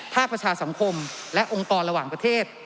ประชาสังคมและองค์กรระหว่างประเทศ